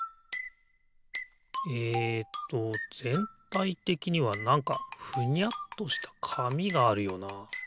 えっとぜんたいてきにはなんかふにゃっとしたかみがあるよな。